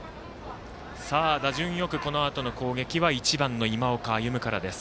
打順よくこのあとの攻撃は１番、今岡歩夢からです。